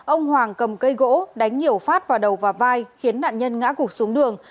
ông hoàng cầm cây gỗ đánh nhiều phát vào đầu và vai khiến nạn nhân ngã gục xuống đường